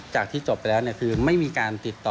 ที่จบไปแล้วคือไม่มีการติดต่อ